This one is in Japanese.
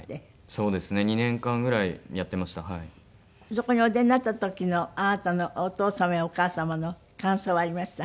そこにお出になった時のあなたのお父様やお母様の感想はありました？